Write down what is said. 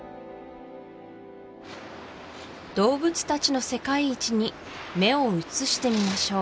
動物たちの世界一に目を移してみましょう